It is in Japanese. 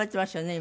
今。